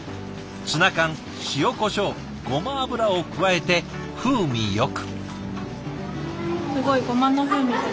ツナ缶塩コショウゴマ油を加えて風味よく。